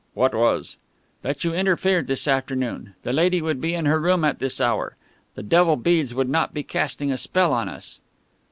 "What was?" "That you interfered this afternoon. The lady would be in her room at this hour. The devil beads would not be casting a spell on us."